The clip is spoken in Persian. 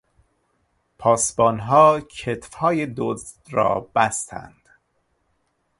پاسبانها کتفهای دزد را بستند.